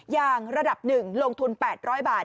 อย่างระดับ๑ลงทุน๘๐๐บาท